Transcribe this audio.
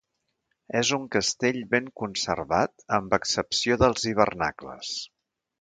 És un castell ben conservat amb excepció dels hivernacles.